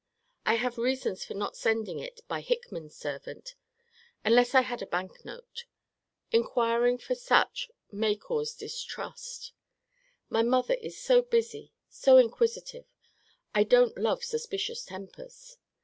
I have reasons for not sending it by Hickman's servant; unless I had a bank note. Inquiring for such may cause distrust. My mother is so busy, so inquisitive I don't love suspicious tempers.